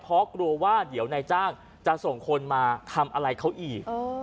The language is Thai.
เพราะกลัวว่าเดี๋ยวนายจ้างจะส่งคนมาทำอะไรเขาอีก